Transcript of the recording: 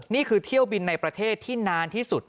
นี่คือเที่ยวบินในประเทศที่นานที่สุด